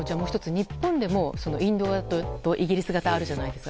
日本でもインド型とイギリス型があるじゃないですか。